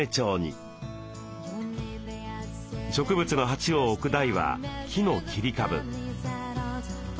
植物の鉢を置く台は木の切り株。